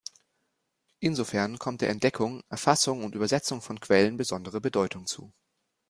Insofern kommt der Entdeckung, Erfassung und Übersetzung von Quellen besondere Bedeutung zu.